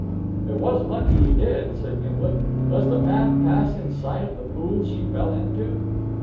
"It was lucky he did," said Gimblet. "Does the path pass in sight of the pool she fell into?"